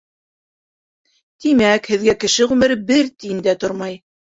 Тимәк, һеҙгә кеше ғүмере бер тин дә тормай!